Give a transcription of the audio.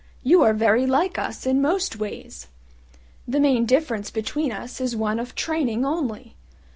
You are very like us in most ways: the main difference between us is one of training only.